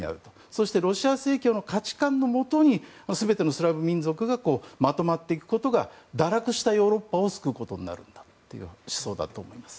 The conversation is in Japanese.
そしてロシア正教の価値観のもと全てのスラブ民族がまとまっていくことが堕落したヨーロッパを救うことになるという思想だと思います。